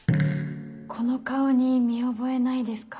この顔に見覚えないですか？